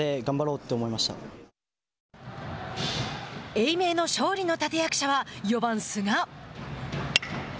英明の勝利の立て役者は４番寿賀。